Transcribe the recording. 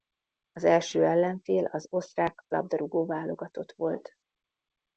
Az első ellenfél az osztrák labdarúgó-válogatott volt.